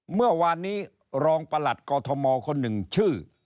เมื่อวานนี้รองประหลัดกอทมคนหนึ่งชื่อ